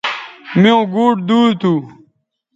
میوں گوٹ دور تھو